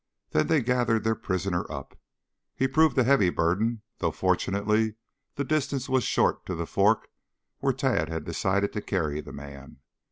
Then they gathered their prisoner up. He proved a heavy burden, though fortunately the distance was short to the fork where Tad had decided to carry the man.